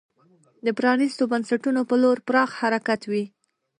د پرانیستو بنسټونو په لور پراخ حرکت وي.